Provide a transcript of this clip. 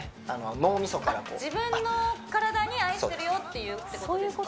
脳みそから自分の体に「愛してるよ」って言うってことですか？